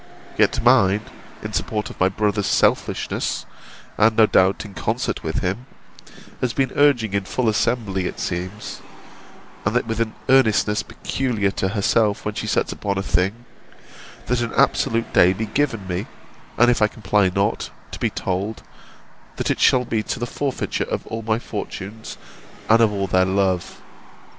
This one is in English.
Yet mine, in support of my brother's selfishness, and, no doubt, in concert with him, has been urging in full assembly it seems, (and that with an earnestness peculiar to herself when she sets upon any thing,) that an absolute day be given me; and if I comply not, to be told, that it shall be to the forfeiture of all my fortunes, and of all their love.